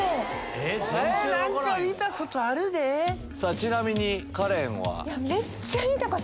ちなみにカレンは？